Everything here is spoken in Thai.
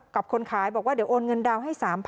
คนขายบอกว่าเดี๋ยวโอนเงินดาวน์ให้๓๐๐๐